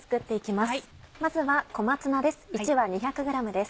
まずは小松菜です。